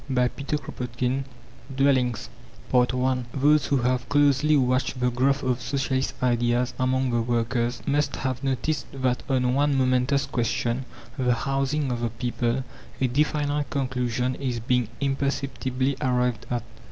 CHAPTER VI DWELLINGS I Those who have closely watched the growth of Socialist ideas among the workers must have noticed that on one momentous question the housing of the people a definite conclusion is being imperceptibly arrived at.